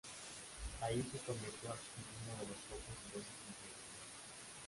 Allí se convirtió en uno de los pocos ingleses impresionistas.